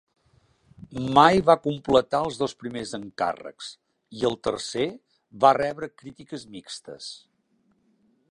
Mai va completar els dos primers encàrrecs, i el tercer va rebre crítiques mixtes.